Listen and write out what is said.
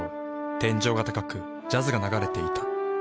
天井が高くジャズが流れていた。